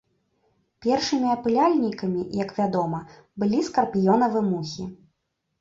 Першымі апыляльнікамі, як вядома, былі скарпіёнавы мухі.